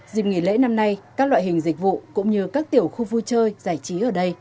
dịp nghỉ lễ năm nay các loại hình dịch vụ cũng như các tiểu khu vui chơi giải trí ở đây